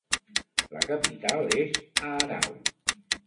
La capital és Aarau.